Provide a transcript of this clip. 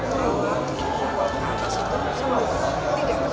jadi keyakinan maria juga adalah sedang